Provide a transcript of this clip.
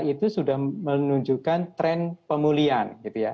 itu sudah menunjukkan tren pemulihan